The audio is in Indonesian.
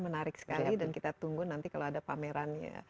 menarik sekali dan kita tunggu nanti kalau ada pamerannya